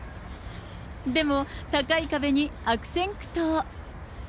でも高い壁に悪戦苦闘。